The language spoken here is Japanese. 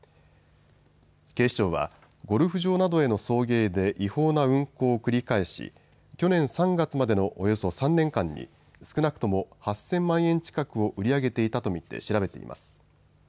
警視庁はゴルフ場などへの送迎で違法な運航を繰り返し去年３月までのおよそ３年間に少なくとも８０００万円近くを売り上げていたと見て調べています。